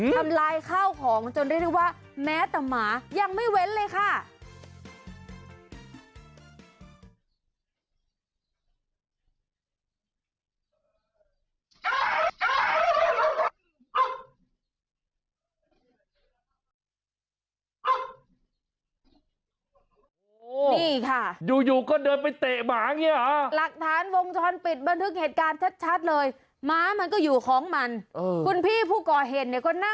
ทำลายข้าวของจนเรียกได้ว่าแม้แต่หมายังไม่เว้นเลยค่ะ